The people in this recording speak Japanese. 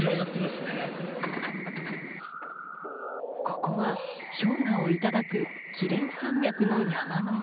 ここは氷河を頂く連山脈の山の上。